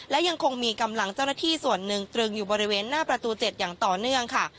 และยังคงมีกำลังเจ้าหน้าที่ส่วนหนึ่งตรึงอยู่บริเวณหน้าประตู๗อย่างต่อเนื่องค่ะ